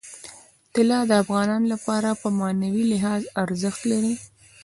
طلا د افغانانو لپاره په معنوي لحاظ ارزښت لري.